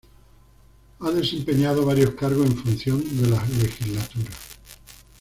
Ha desempeñado varios cargos en función de la legislatura.